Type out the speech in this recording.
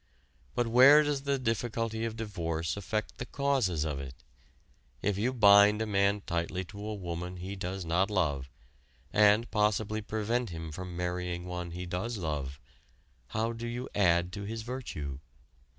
But where does the difficulty of divorce affect the causes of it? If you bind a man tightly to a woman he does not love, and, possibly prevent him from marrying one he does love, how do you add to his virtue?